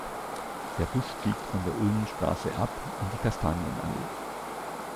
Der Bus biegt von der Ulmenstraße ab in die Kastanienallee.